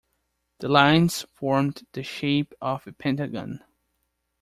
The lines formed the shape of a pentagon.